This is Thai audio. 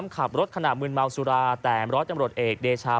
๓ขับรถขนาดมึนมาวสุราแต่มรถจำโรย์เอกเดชา